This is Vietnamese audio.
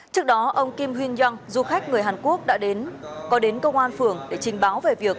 trước đó ông kim huynh young du khách người hàn quốc có đến công an phường để trình báo về việc